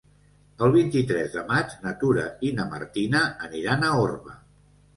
El vint-i-tres de maig na Tura i na Martina aniran a Orba.